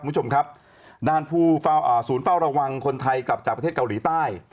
คุณผู้ชมครับสูญเฝ้าระวังคนไทยกลับจากประเทศเกาหลีใต้